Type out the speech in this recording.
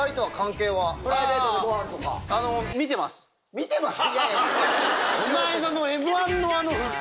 見てます